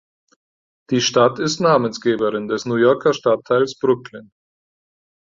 Die Stadt ist Namensgeberin des New Yorker Stadtteils Brooklyn.